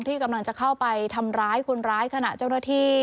ที่กำลังจะเข้าไปทำร้ายคนร้ายขณะเจ้าหน้าที่